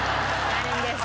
なるんです。